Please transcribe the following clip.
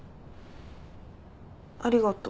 ありがとう。